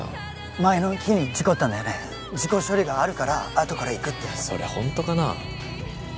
前の日に事故ったんだよね事故処理があるからあとからそれホントかな？